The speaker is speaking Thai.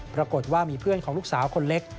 ปรากฏว่ามีเพื่อนของลูกสาวคนเล็ก